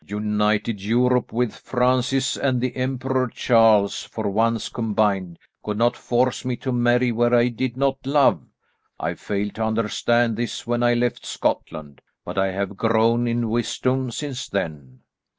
"United Europe, with Francis and the Emperor Charles for once combined could not force me to marry where I did not love. I failed to understand this when I left Scotland, but I have grown in wisdom since then."